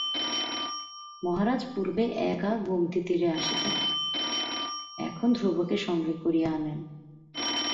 মহারাজ পূর্বে একা গোমতীতীরে আসিতেন, এখন ধ্রুবকে সঙ্গে করিয়া আনেন।